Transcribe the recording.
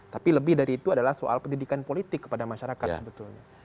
tapi lebih dari itu adalah soal pendidikan politik kepada masyarakat sebetulnya